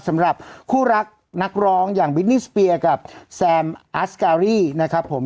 สำหรับคู่รักนักร้องอย่างบิดนี่สเปียกับแซมอัสการีนะครับผม